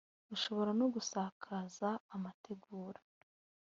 ushobora no gusakaza amategura